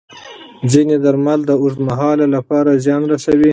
ځینې درمل د اوږد مهال لپاره زیان رسوي.